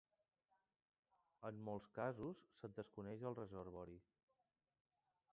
En molts casos se'n desconeix el reservori.